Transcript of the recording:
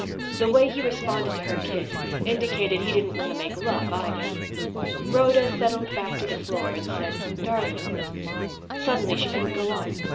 The way he responded to her kiss indicated he didn't want to make love, either. Rhoda settled back to the floor and said, "Darling " Suddenly she couldn't go on.